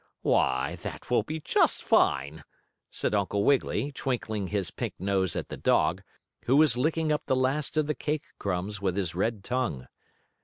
"Why, that will be just fine!" said Uncle Wiggily, twinkling his pink nose at the dog, who was licking up the last of the cake crumbs with his red tongue.